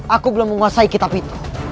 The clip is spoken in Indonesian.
aku belum menguasai kitab itu